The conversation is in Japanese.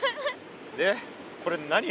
でこれ何？